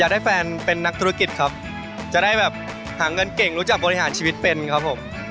ได้แฟนเป็นนักธุรกิจครับจะได้แบบหาเงินเก่งรู้จักบริหารชีวิตเป็นครับผม